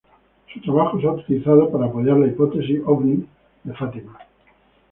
Su trabajo se ha utilizado para apoyar la hipótesis ovni de Fátima.